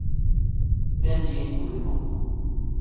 Bindi kuluku.